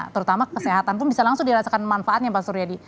terutama kesehatan pun bisa langsung dirasakan manfaatnya pak suryadi